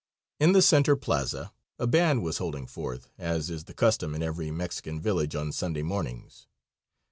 In the center plaza a band was holding forth, as is the custom in every Mexican village on Sunday mornings.